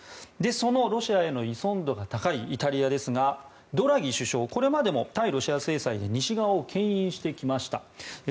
そのロシアへの依存度が高いイタリアですがドラギ首相、これまでも対ロシア制裁で西側を牽引してきました。